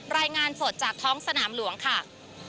รายงานสดจากท้องสนามหลวงค่ะ